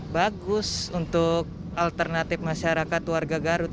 bagus untuk alternatif masyarakat warga garut